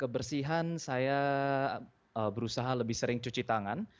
kebersihan saya berusaha lebih sering cuci tangan